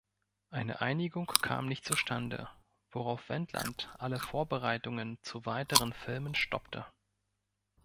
Eine Einigung kam nicht zustande, worauf Wendlandt alle Vorbereitungen zu weiteren Filmen stoppte.